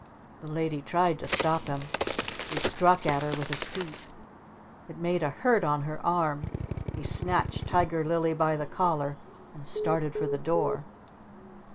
The Lady tried to stop him. He struck at her with his feet. It made a hurt on her arm. He snatched Tiger Lily by the collar and started for the door.